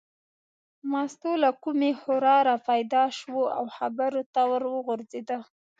مستو له کومې خوا را پیدا شوه او خبرو ته ور وغورځېده.